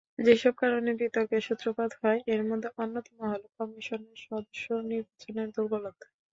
যেসব কারণে বিতর্কের সূত্রপাত হয়—এর মধ্যে অন্যতম হলো কমিশনের সদস্য নির্বাচনের দুর্বলতা।